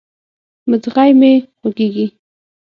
مځغی مي خوږیږي